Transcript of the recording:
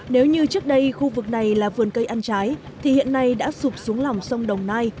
nếu như trước đây khu vực này là vườn cây ăn trái thì hiện nay đã sụp xuống lòng sông đồng nai